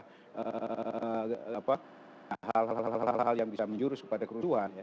hal hal hal yang bisa menjurus kepada kerusuhan ya